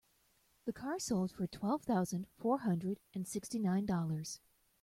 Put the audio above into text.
The car sold for twelve thousand four hundred and sixty nine dollars.